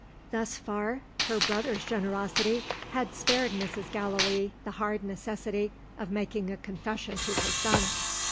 Thus far, her brother's generosity had spared Mrs. Gallilee the hard necessity of making a confession to her son.